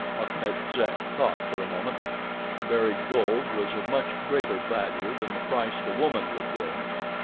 Achmet Zek thought for a moment. The buried gold was of much greater value than the price the woman would bring.